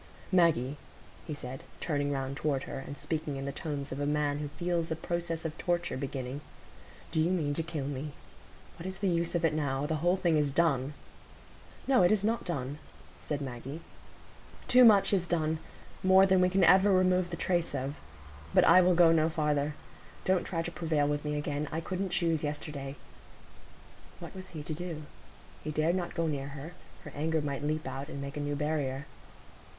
"Maggie," he said, turning round toward her, and speaking in the tones of a man who feels a process of torture beginning, "do you mean to kill me? What is the use of it now? The whole thing is done." "No, it is not done," said Maggie. "Too much is done,—more than we can ever remove the trace of. But I will go no farther. Don't try to prevail with me again. I couldn't choose yesterday." What was he to do? He dared not go near her; her anger might leap out, and make a new barrier.